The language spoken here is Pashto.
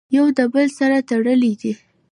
يو د بل سره تړلي دي!!.